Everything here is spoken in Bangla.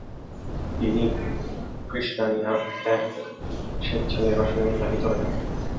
তিনি ক্রিস্টানিয়া ত্যাগ স্বেচ্ছা নির্বাসনে ইতালি চলে যান।